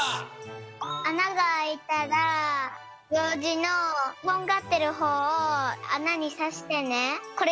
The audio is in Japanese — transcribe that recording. あながあいたらようじのとんがってるほうをあなにさしてね。